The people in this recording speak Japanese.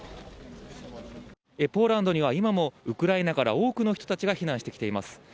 ポーランドには、今もウクライナから多くの人たちが避難してきています。